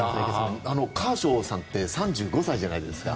カーショーさんって３５歳じゃないですか。